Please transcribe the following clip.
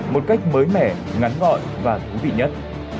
một cách mới mẻ ngắn gọn và thú vị nhất